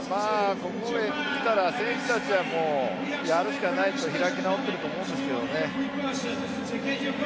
ここへきたら選手たちはやるしかないと開き直っていくと思うんですよね。